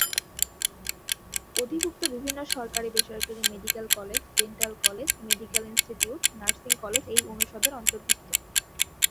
অধিভুক্ত বিভিন্ন সরকারি-বেসরকারী medical college, dental college, medical institute, nursing college এই অনুষদের অন্তর্ভুক্ত।